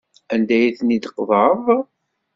Anda ay ten-id-tqeḍɛeḍ?